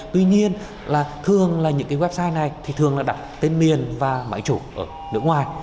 tuy nhiên là thường là những cái website này thì thường là đặt tên miền và mã chủ ở nước ngoài